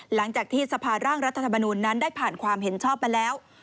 หลังจากที่สภาร่างรัฐธรรมนูลนั้นได้ผ่านความเห็นชอบมาแล้ว